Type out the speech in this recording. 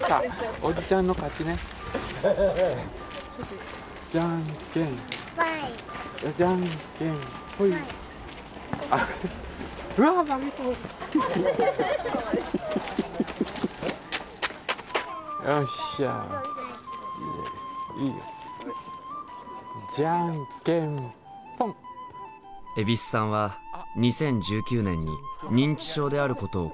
蛭子さんは２０１９年に認知症であることを公表しました。